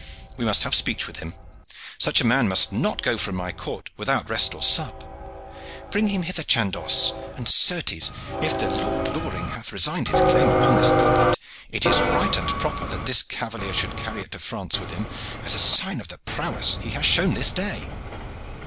"We must have speech with him. Such a man must not go from my court without rest or sup. Bring him hither, Chandos, and, certes, if the Lord Loring hath resigned his claim upon this goblet, it is right and proper that this cavalier should carry it to France with him as a sign of the prowess that he has shown this day."